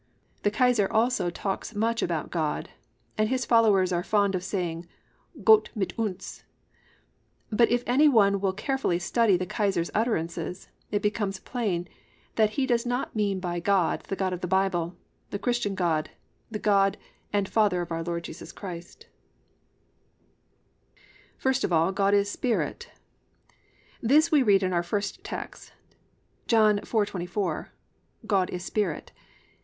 The Kaiser also talks much about God and his followers are fond of saying, "Gott mit uns," but if any one will carefully study the Kaiser's utterances it becomes plain that he does not mean by God the God of the Bible, the Christian God, the God and Father of our Lord Jesus Christ. I. GOD IS SPIRIT First of all +"God is Spirit."+ This we read in our first text: John 4:24, +"God is Spirit."